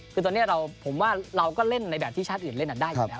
คือตอนนี้ผมว่าเราก็เล่นในแบบที่ชาติอื่นเล่นได้อยู่แล้ว